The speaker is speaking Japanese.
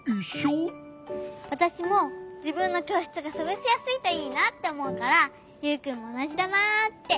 わたしもじぶんのきょうしつがすごしやすいといいなっておもうからユウくんもおなじだなって。